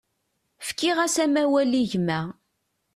Fkiɣ-as amawal i gma.